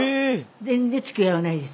全然つきあいはないです。